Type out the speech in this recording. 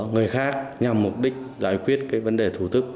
người khác nhằm mục đích giải quyết cái vấn đề thủ thức